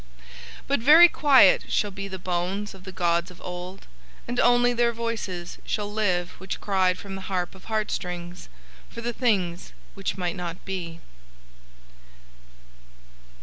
"But very quiet shall be the bones of the gods of Old, and only Their voices shall live which cried from the harp of heart strings, for the things which might not be."